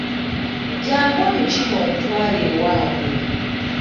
Jjangu omukime omutwale ewaabwe.